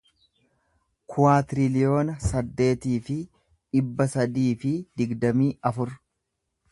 kuwaatiriliyoona saddeetii fi dhibba sadii fi digdamii afur